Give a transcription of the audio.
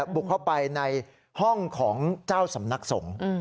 บุกเข้าไปในห้องของเจ้าสำนักสงฆ์